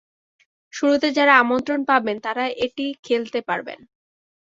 শুরুতে যাঁরা আমন্ত্রণ পাবেন, তাঁরা এটি খেলতে পারবেন।